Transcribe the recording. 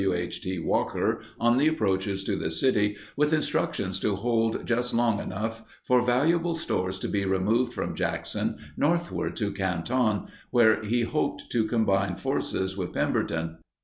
W. H. T. Walker on the approaches to the city with instructions to hold just long enough for valuable stores to be removed from Jackson northward to Canton where he hoped to combine forces with Pemberton.